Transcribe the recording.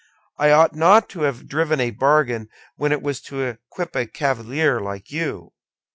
I ought not to have driven a bargain when it was to equip a cavalier like you."